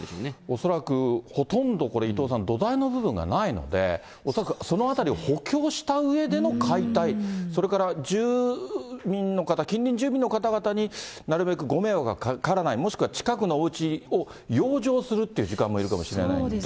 恐らくほとんどこれ、伊藤さん、土台の部分がないので、そのあたりを補強したうえでの解体、それから住民の方、近隣住民の方々に、なるべくご迷惑がかからない、もしくは近くのおうちを養生するという時間もいるかもしれなくて。